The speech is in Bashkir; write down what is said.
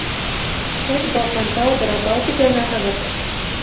Һеҙ Балҡантау, Торатау тип янаһығыҙ.